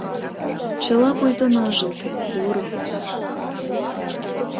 Чыла пуйто ныжылге, поро